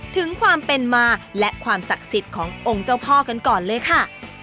ถึงความเป็นมาและความศักดิ์สิทธิ์ขององค์เจ้าพ่อกันก่อนเลยค่ะ